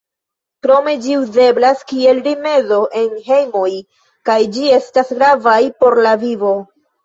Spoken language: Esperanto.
Krome ĝi uzeblas kiel rimedo en hejmoj kaj ĝi estas gravaj por la vivo.